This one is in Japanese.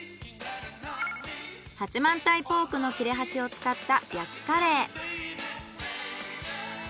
八幡平ポークの切れ端を使った焼きカレー。